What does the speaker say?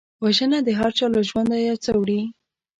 وژنه د هرچا له ژونده یو څه وړي